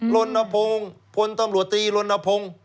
ลนพงผลตำรวจตีลนพง